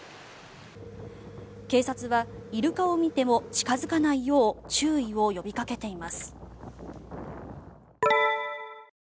警察はイルカを見ても近付かないよう注意を呼びかけています。